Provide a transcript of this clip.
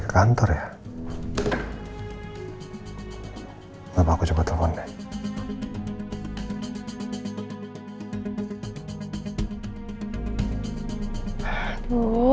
aku nak ke universitas itu udah gitu itu gue tidak moral